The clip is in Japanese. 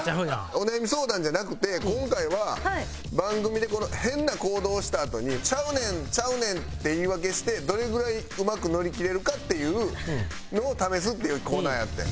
お悩み相談じゃなくて今回は番組で変な行動をしたあとに「ちゃうねんちゃうねん」って言い訳してどれぐらいうまく乗り切れるかっていうのを試すっていうコーナーやってん。